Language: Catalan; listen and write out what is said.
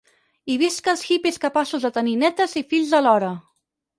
I visca els hippies capaços de tenir nétes i fills alhora!